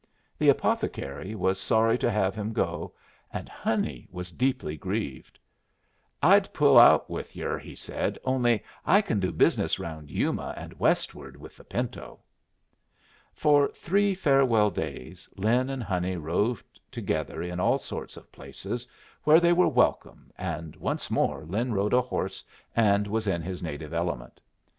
The apothecary was sorry to have him go, and Honey was deeply grieved. "I'd pull out with yer," he said, "only I can do business round Yuma and westward with the pinto." For three farewell days Lin and Honey roved together in all sorts of places, where they were welcome, and once more Lin rode a horse and was in his native element.